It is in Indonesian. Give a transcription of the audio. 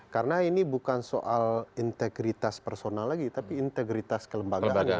karena ini bukan soal integritas personal lagi tapi integritas kelembagaan yang diperlukan